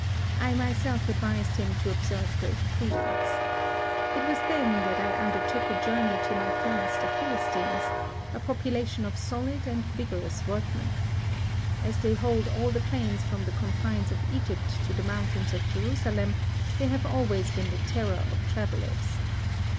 I myself advised him to Ob serve great prudence. It was then that I undertook a journey to my friends the Phil* istines, a population of solid and vigorous workmen. As they hold all the plains from the confines of Egypt to the mountains of Jerusalem, they have always been the terror of travellers.